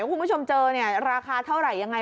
ว่าคุณผู้ชมเจอราคาเท่าไรอย่างไร